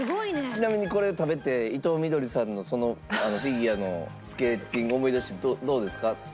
ちなみにこれを食べて伊藤みどりさんのそのフィギュアのスケーティング思い出してどうですか？